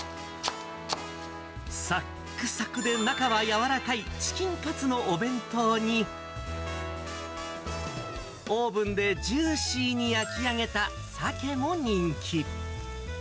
さっくさくで中は柔らかいチキンカツのお弁当に、オーブンでジューシーに焼き上げたサケも人気。